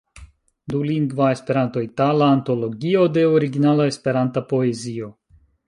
Dulingva Esperanto-itala antologio de originala Esperanta poezio.